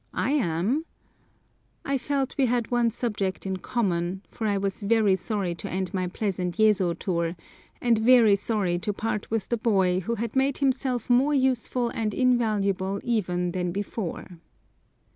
I am," I felt we had one subject in common, for I was very sorry to end my pleasant Yezo tour, and very sorry to part with the boy who had made himself more useful and invaluable even than before.